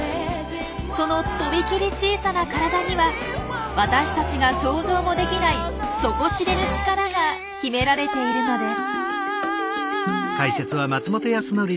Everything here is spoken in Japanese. そのとびきり小さな体には私たちが想像もできない底知れぬ力が秘められているのです。